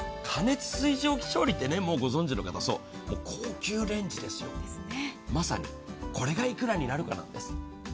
過熱水蒸気調理ってご存じの方、高級レンジですよ、まさに、これがいくらになるかなんです。